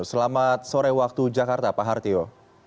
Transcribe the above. selamat sore waktu jakarta pak hartio